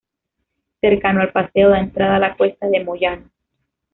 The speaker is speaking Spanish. Cercano al paseo da entrada a la cuesta de Moyano.